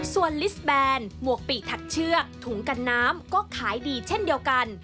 ส่วนลิสแบนหมวกปีกถักเชือกถุงกันน้ำก็ขายดีเช่นเดียวกัน